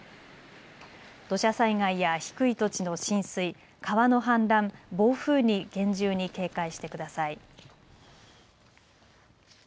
土砂災害や低い土地の浸水、川の氾濫、暴風に厳重に警戒してください。